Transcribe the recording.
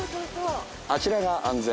あちらが安全。